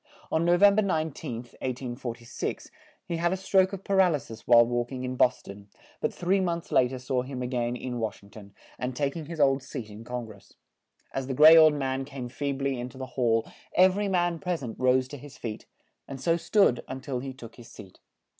On No vem ber 19th, 1846, he had a stroke of par al y sis while walk ing in Bos ton; but three months later we saw him a gain in Wash ing ton, and tak ing his old seat in Con gress. As the gray old man came feeb ly in to the hall, ev er y man pres ent rose to his feet, and so stood un til he took his seat.